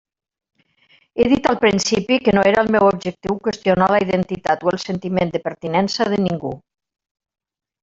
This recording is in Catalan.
He dit al principi que no era el meu objectiu qüestionar la identitat o el sentiment de pertinença de ningú.